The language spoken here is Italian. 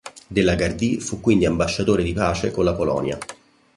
De la Gardie fu quindi ambasciatore di pace con la Polonia.